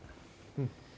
うん。